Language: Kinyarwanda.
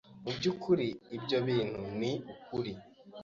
Mu byukuri, ibyo bintu ni ukuri.